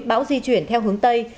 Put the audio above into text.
bão di chuyển theo hướng tây